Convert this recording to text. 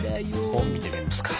本見てみますか。